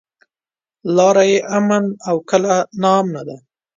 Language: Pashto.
لاره يې امن او که ناامنه ده.